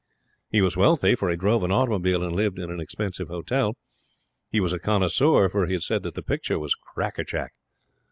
He was wealthy, for he drove an automobile and lived in an expensive hotel. He was a connoisseur, for he had said that the picture was a crackerjack.